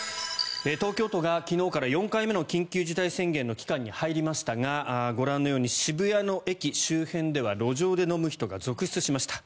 東京都が昨日から４回目の緊急事態宣言の期間に入りましたがご覧のように渋谷の駅周辺では路上で飲む人が続出しました。